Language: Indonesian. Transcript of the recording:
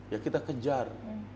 ya kita kejar